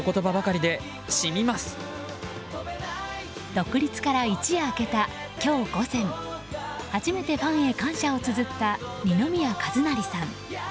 独立から一夜明けた今日午前初めてファンへ感謝をつづった二宮和也さん。